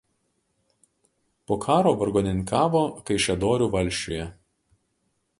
Po karo vargonininkavo Kaišiadorių valsčiuje.